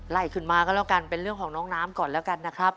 ขึ้นมาก็แล้วกันเป็นเรื่องของน้องน้ำก่อนแล้วกันนะครับ